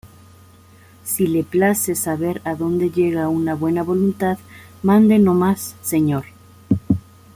si le place saber a dónde llega una buena voluntad, mande no más, señor.